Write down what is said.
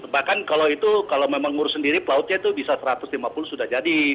bahkan kalau itu kalau memang ngurus sendiri pelautnya itu bisa satu ratus lima puluh sudah jadi